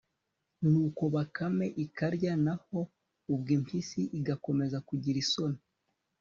nuko bakame ikarya, naho ubwo impyisi igakomeza kugira isoni